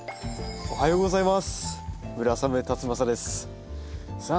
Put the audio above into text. おはようございます。